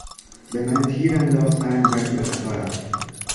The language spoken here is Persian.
به من تیرانداختند ولی به خطا رفت.